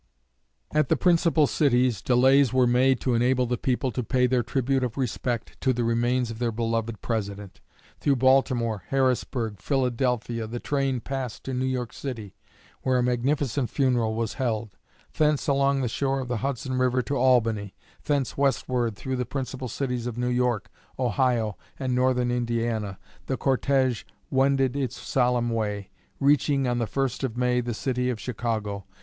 At the principal cities delays were made to enable the people to pay their tribute of respect to the remains of their beloved President. Through Baltimore, Harrisburg, Philadelphia, the train passed to New York City, where a magnificent funeral was held; thence along the shore of the Hudson river to Albany, thence westward through the principal cities of New York, Ohio, and Northern Indiana, the cortege wended its solemn way, reaching, on the 1st of May, the city of Chicago.